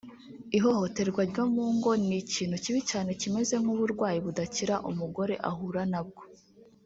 Ihohoterwa ryo mu ngo ni ikintu kibi cyane kimeze nk’uburwayi budakira umugore ahura nabwo